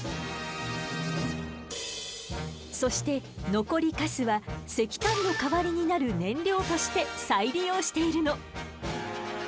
そして残りカスは石炭の代わりになる燃料として再利用しているの。